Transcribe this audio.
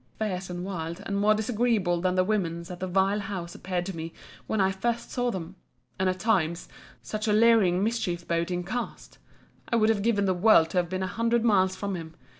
—fierce and wild; and more disagreeable than the women's at the vile house appeared to me when I first saw them: and at times, such a leering, mischief boding cast!—I would have given the world to have been an hundred miles from him.